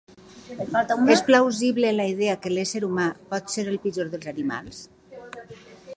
És plausible la idea que l'ésser humà pot ser el pitjor dels animals?